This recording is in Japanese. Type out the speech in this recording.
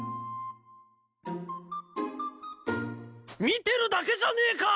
見てるだけじゃねえか！